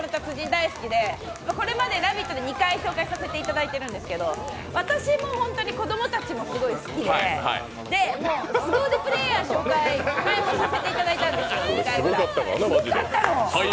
大好きでこれまで「ラヴィット！」で２回紹介させてもらってるんですけど私もホントに子供たちもすごい好きですご腕プレーヤー紹介前もさせていただいたんですがすごかったの！